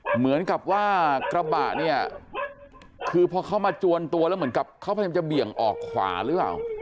เหมือนกับว่ากระบะเนี่ยคือพอเขามาจวนตัวแล้วเหมือนกับเขาพยายามจะเบี่ยงออกขวาหรือเปล่า